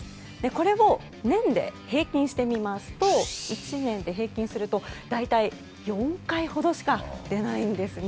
これを年で平均してみますと１年で平均すると大体４回ほどしか出ないんですね。